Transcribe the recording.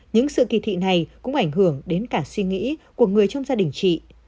những sự kỳ thị này cũng ảnh hưởng đến cả suy nghĩ của người trong gia đình chị